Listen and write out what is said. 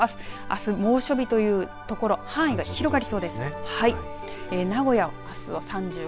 あす猛暑日というところ範囲が広がりそうです。